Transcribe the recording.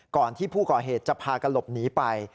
ก่อนที่ผู้ก่อเหตุจะพากันหลบหนีไป